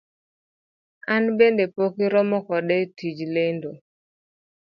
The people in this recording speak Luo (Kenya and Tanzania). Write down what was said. An bende pok iromo koda e tij lendo.